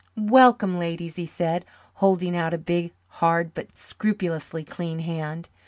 "Welcome, ladies," he said, holding out a big, hard, but scrupulously clean hand.